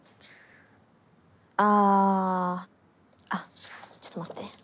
ああっちょっと待って。